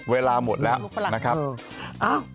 เวลาหมดแล้วนะครับ